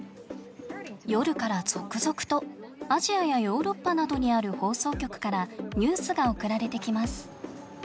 夜から続々とアジアやヨーロッパなどにある放送局からニュースが送られてきます。